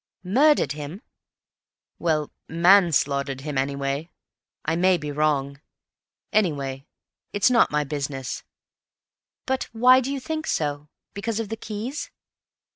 "Murdered him?" "Well, manslaughtered him, anyway. I may be wrong. Anyway, it's not my business." "But why do you think so? Because of the keys?"